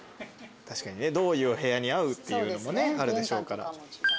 どういう部屋に合うっていうのもあるでしょうから。